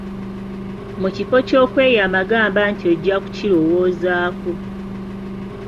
Mu kifo ky'okweyama gamba nti ojja kukirowoozako.